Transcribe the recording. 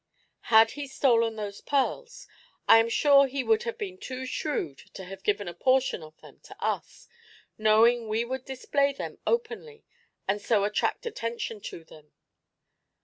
"Had he stolen those pearls, I am sure he would have been too shrewd to have given a portion of them to us, knowing we would display them openly and so attract attention to them.